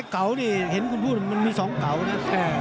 เก่านี่เห็นคุณพูดมันมี๒เก่านะ